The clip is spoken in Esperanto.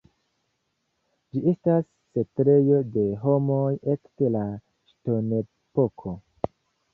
Ĝi estas setlejo de homoj ekde la Ŝtonepoko.